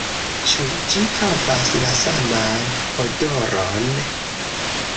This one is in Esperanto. Ĉu ĝi havas la saman odoron?